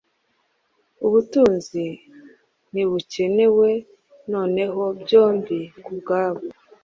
Ubutunzi ntibukenewe noneho, byombi kubwabo,